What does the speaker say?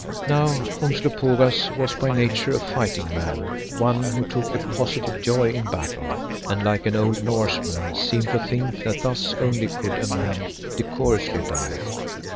Now Umslopogaas was by nature a fighting man, one who took a positive joy in battle, and like an old Norseman, seemed to think that thus only could a man decorously die.